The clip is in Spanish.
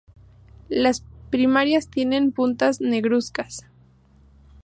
La primarias tienen puntas negruzcas.